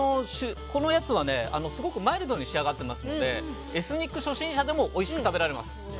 これはすごくマイルドに仕上がってますのでエスニック初心者でもおいしく食べられます。